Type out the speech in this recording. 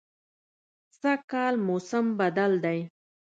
سږکال موسم بدل دی